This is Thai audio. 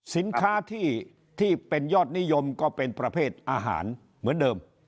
สินค้าที่เป็นยอดนิยมก็เป็นประเภทอาหารเหมือนเดิม